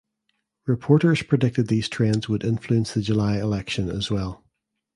Reporters predicted these trends would influence the July election as well.